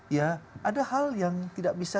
ya ada hal yang tidak bisa